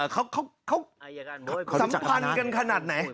เขาสัมพันธ์กันขนาดไหน